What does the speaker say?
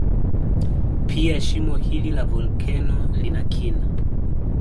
Pia shimo hili la volkeno lina kina